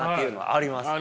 ありますよね。